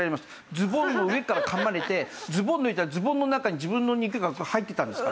ズボンの上から噛まれてズボン脱いだらズボンの中に自分の肉が入ってたんですから。